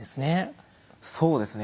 そうですね。